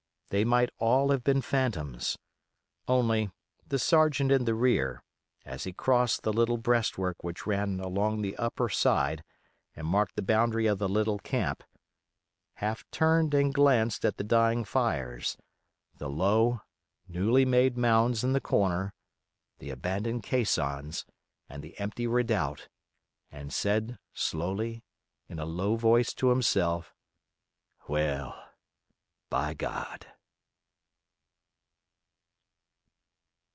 They might all have been phantoms. Only, the sergeant in the rear, as he crossed the little breastwork which ran along the upper side and marked the boundary of the little camp, half turned and glanced at the dying fires, the low, newly made mounds in the corner, the abandoned caissons, and the empty redoubt, and said, slowly, in a low voice to himself, "Well, by God!"